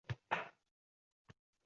O’zi yaxshimikan, tushimda ko’rdim